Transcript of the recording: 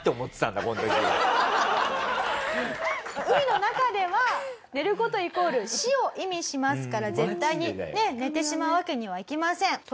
海の中では寝る事イコール死を意味しますから絶対に寝てしまうわけにはいきません。